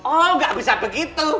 oh gak bisa begitu